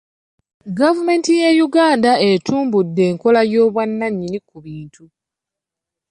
Gavumenti ya Uganda etumbudde enkola y'obwannannyini ku bintu.